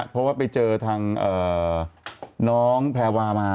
เพราะว่าไปเจอทางน้องแพรวามา